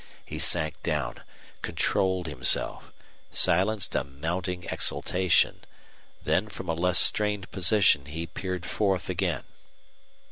He sank down, controlled himself, silenced a mounting exultation, then from a less strained position he peered forth again.